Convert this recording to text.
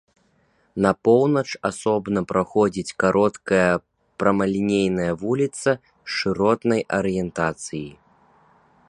На поўнач асобна праходзіць кароткая прамалінейная вуліца шыротнай арыентацыі.